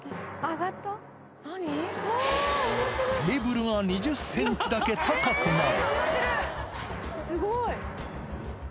テーブルが２０センチだけ高くなる。